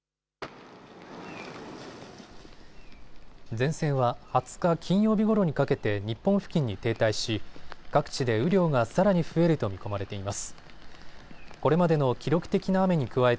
前線は２０日金曜日ごろにかけて日本付近に停滞し、各地で雨量がさらに増えると見込まれています。